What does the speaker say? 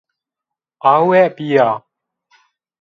Awe bîya